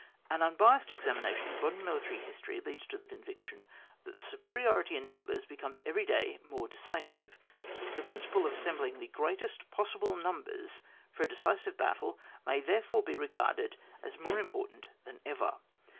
An unbiassed examination of modem military history leads to the conviction that the superiority in numbers becomes every day more decisive; the principle of assembling the greatest possible num bers for a decisive battle may therefore be regarded as more important than ever.